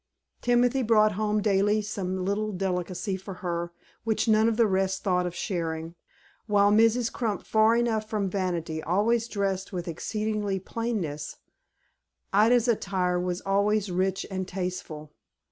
Timothy brought home daily some little delicacy for her, which none of the rest thought of sharing. While Mrs. Crump, far enough from vanity, always dressed with exceeding plainness, Ida's attire was always rich and tasteful.